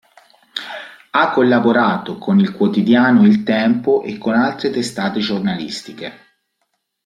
Ha collaborato con il quotidiano "Il Tempo" e con altre testate giornalistiche.